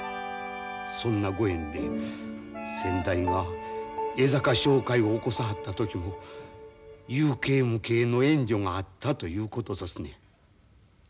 そんなご縁で先代が江坂商会を起こさはった時も有形無形の援助があったということだすねん。